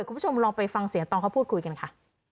คุณผู้ชมลองไปฟังเสียงตอนเขาพูดคุยกันค่ะ